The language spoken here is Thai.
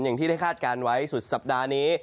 อย่างที่ได้คาดการณ์ไว้สุดสัปดาห์นี้